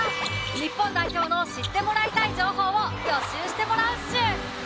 日本代表の知ってもらいたい情報を予習してもらうっシュ！